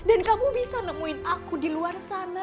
dan kamu bisa nemuin aku di luar sana